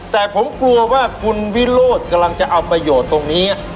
แต่ผมกลัวว่าคุณวิโรธกำลังจะเอาประโยชน์ตรงนี้